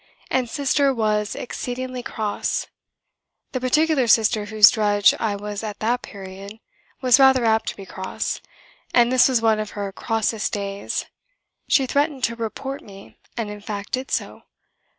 And Sister was exceedingly cross. The particular Sister whose drudge I was at that period was rather apt to be cross; and this was one of her crossest days. She threatened to "report" me, and in fact did so.